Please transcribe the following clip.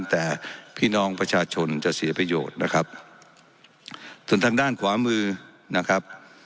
แต่พี่น้องประชาชนจะเสียประโยชน์นะครับส่วนทางด้านขวามือนะครับ